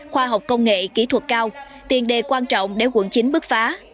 khoa học công nghệ kỹ thuật cao tiền đề quan trọng để quận chín bứt phá